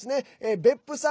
別府さん